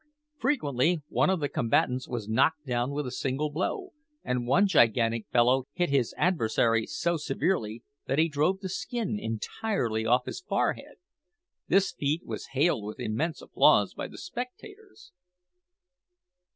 Frequently one of the combatants was knocked down with a single blow, and one gigantic fellow hit his adversary so severely that he drove the skin entirely off his forehead. This feat was hailed with immense applause by the spectators.